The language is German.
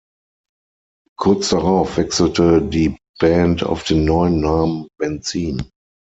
Kurz darauf wechselte die Band auf den neuen Namen "Benzin".